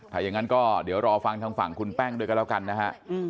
ถ้าอย่างนั้นก็เดี๋ยวรอฟังทางฝั่งคุณแป้งด้วยกันแล้วกันนะฮะ